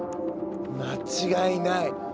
間違いない。